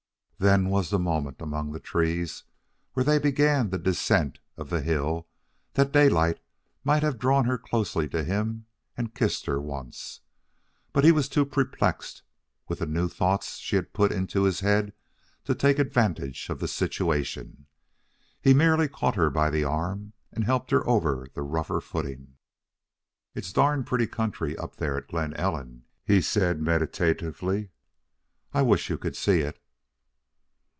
Then was the moment, among the trees, where they began the descent of the hill, that Daylight might have drawn her closely to him and kissed her once. But he was too perplexed with the new thoughts she had put into his head to take advantage of the situation. He merely caught her by the arm and helped her over the rougher footing. "It's darn pretty country up there at Glen Ellen," he said meditatively. "I wish you could see it."